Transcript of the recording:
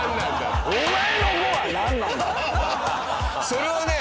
それはね